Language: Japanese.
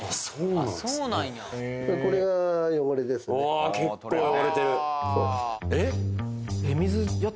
ああー結構汚れてるえっ？